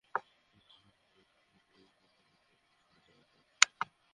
তারা ভয় করে তাদের উপর পরাক্রমশালী তাদের প্রতিপালককে এবং তাদেরকে যা আদেশ করা হয়।